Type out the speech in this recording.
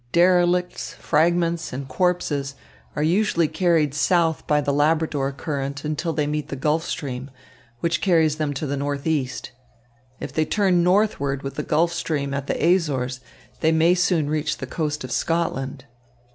Derelicts, fragments, and corpses are usually carried south by the Labrador Current until they meet the Gulf Stream, which carries them to the northeast. If they turn northward with the Gulf Stream at the Azores, they may soon reach the coast of Scotland."